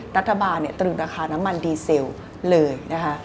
รัฐบาลตรึงราคาน้ำมันดีเซลเลยนะคะ